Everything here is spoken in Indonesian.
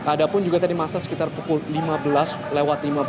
ada pun juga tadi masa sekitar pukul lima belas lewat lima belas